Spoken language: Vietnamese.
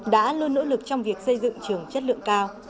đã luôn nỗ lực trong việc xây dựng trường chất lượng cao